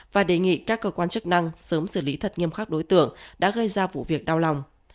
và đề nghị các cơ quan chức năng sớm xử lý thật nghiêm khắc đối tượng đã gây ra vụ việc đau lòng